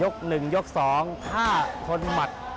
ยกหนึ่งยกสองพ่าทนหมัด